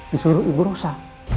disuruh ibu rosa